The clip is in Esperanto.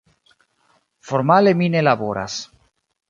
Formale mi ne laboras.